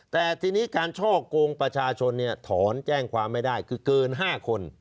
แต่ทีนี้การช่อกงประชาชนเนี่ยถอนแจ้งความไม่ได้คือเกิน๕คน